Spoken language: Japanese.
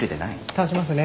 倒しますね。